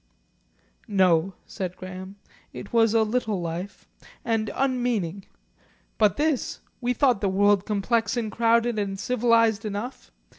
"No," said Graham. "It was a little life and unmeaning. But this We thought the world complex and crowded and civilised enough.